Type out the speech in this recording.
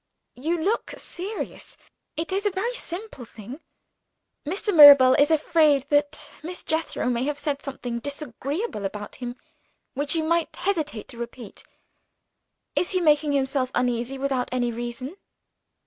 "You look serious. It is a very simple thing. Mr. Mirabel is afraid that Miss Jethro may have said something disagreeable about him, which you might hesitate to repeat. Is he making himself uneasy without any reason?"